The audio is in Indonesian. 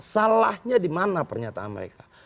salahnya dimana pernyataan mereka